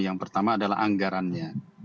yang pertama adalah anggarannya